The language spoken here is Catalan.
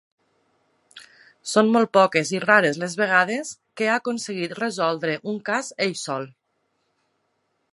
Són molt poques i rares les vegades que ha aconseguit resoldre un cas ell sol.